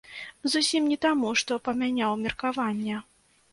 Зусім не таму, што памяняў меркаванне.